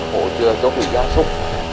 hỗ trợ cho tùy giáo dục